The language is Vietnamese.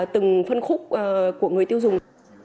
từng phân khúc của người tiêu dùng